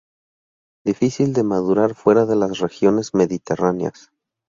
Difícil de madurar fuera de las regiones mediterráneas.